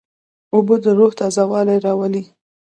اوبه د روح تازهوالی راولي.